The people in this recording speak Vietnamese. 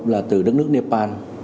là từ đất nước nepal